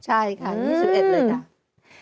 ใช่ค่ะนี่สุดเอ็ดเลยค่ะ